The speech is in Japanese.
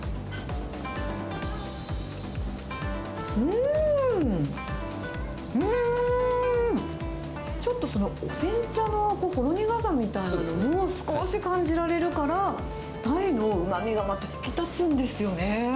うーん、ちょっと、お煎茶のほろ苦さみたいなのも少し感じられるから、鯛のうまみがまた引き立つんですよね。